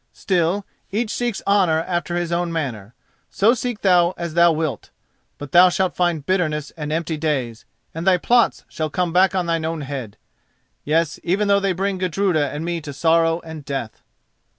Still, each seeks honour after his own manner, so seek thou as thou wilt; but thou shalt find bitterness and empty days, and thy plots shall come back on thine own head—yes, even though they bring Gudruda and me to sorrow and death."